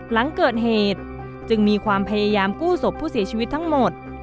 หลังเกิดเหตุจึงมีความพยายามกู้ศพผู้เสียชีวิตทั้งหมด